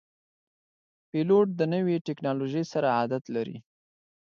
پیلوټ د نوي ټکنالوژۍ سره عادت لري.